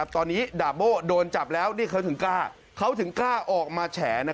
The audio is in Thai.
ตอนนี้ดับโบ้โดนจับแล้วเขาถึงกล้าออกมาแฉ